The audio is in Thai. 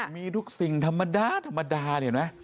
มีทุกสิ่งธรรมดาธรรมดาเห็นไหม